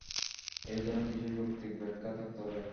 এর জন্য কিছু যৌক্তিক ব্যাখ্যা থাকতে হবে।